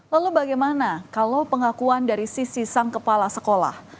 lalu bagaimana kalau pengakuan dari sisi sang kepala sekolah